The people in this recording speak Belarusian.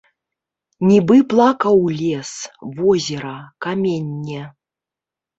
Нібы плакаў лес, возера, каменне.